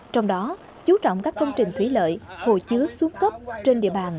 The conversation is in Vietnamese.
trong đó chú trọng các công trình thủy lợi hồ chứa xuống cấp trên địa bàn